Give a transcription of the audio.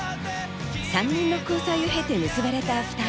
３年の交際を経て結ばれた２人。